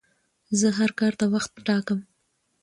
زه هر کار ته وخت ټاکم.